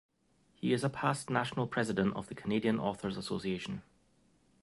He is a past National President of the Canadian Authors Association.